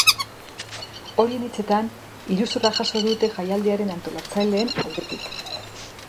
Horien hitzetan, iruzurra jaso dute jaialdiaren antolatzaileen aldetik.